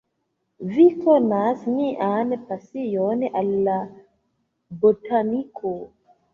Vi konas mian pasion al la botaniko.